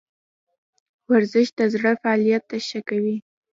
ورزش د زړه فعالیت ښه کوي